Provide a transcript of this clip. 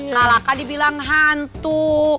kalahkah dibilang hantu